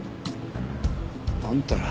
あんたら。